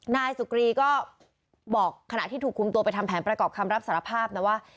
นายสุกรีก็บอกขณะที่ถูกคุมตัวไปทำแผนประกอบคำรับสารภาพนะว่า